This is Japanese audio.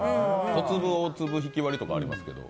小粒、大粒、ひきわりとかありますけど。